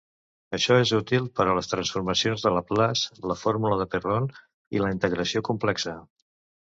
Això és útil per a les transformacions de Laplace, la fórmula de Perron i la integració complexa.